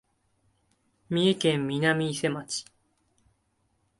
三重県南伊勢町